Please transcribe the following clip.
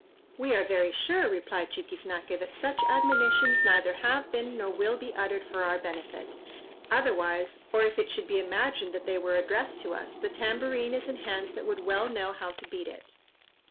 "We are very sure," replied Chiquiznaque, "that such admonitions neither have been nor will be uttered for our benefit; otherwise, or if it should be imagined that they were addressed to us, the tambourine is in hands that would well know how to beat it."